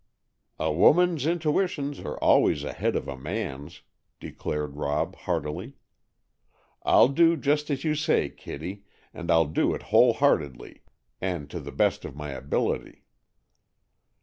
"A woman's intuitions are always ahead of a man's," declared Rob heartily. "I'll do just as you say, Kitty, and I'll do it whole heartedly, and to the best of my ability."